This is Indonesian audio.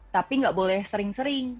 tapi nggak boleh sering sering